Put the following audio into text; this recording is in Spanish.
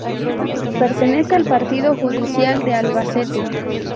Pertenece al partido judicial de Albacete.